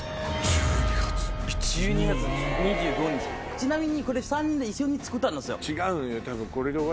ちなみにこれ３人で一緒につくったんですよ。